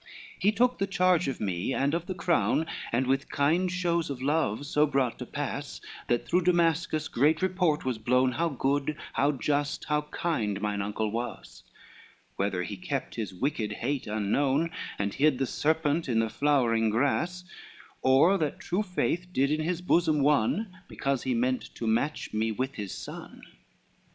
XLV "He took the charge of me and of the crown, And with kind shows of love so brought to pass That through Damascus great report was blown How good, how just, how kind mine uncle was; Whether he kept his wicked hate unknown And hid the serpent in the flowering grass, On that true faith did in his bosom won, Because he meant to match me with his son.